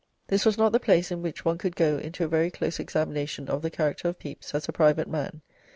This was not the place in which one could go into a very close examination of the character of Pepys as a private man.